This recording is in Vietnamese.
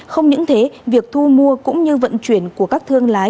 không những thế việc thu mua cũng như vận chuyển của các thương lái